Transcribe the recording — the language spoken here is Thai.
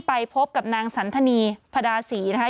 ไปพบกับนางสันธนีพระดาศรีนะคะ